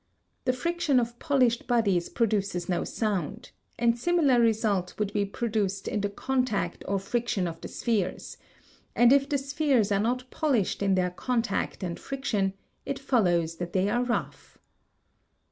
The friction of polished bodies produces no sound, and similar result would be produced in the contact or friction of the spheres; and if the spheres are not polished in their contact and friction, it follows that they are rough.